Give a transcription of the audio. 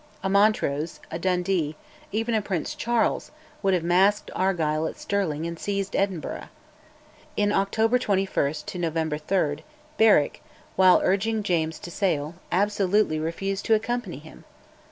A Montrose, a Dundee, even a Prince Charles, would have "masked" Argyll at Stirling and seized Edinburgh. In October 21 November 3, Berwick, while urging James to sail, absolutely refused to accompany him.